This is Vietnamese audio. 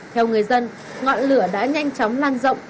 theo người dân ngọn lửa đã nhanh chóng lan rộng